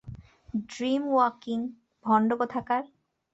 Dreamwalking, ভন্ড কোথাকার!